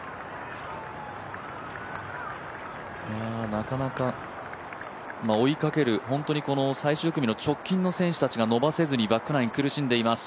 なかなか、追いかける、最終組の直近の選手たちが伸ばせずにバックナイン苦しんでいます。